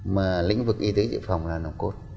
mà lĩnh vực y tế dự phòng là nồng cốt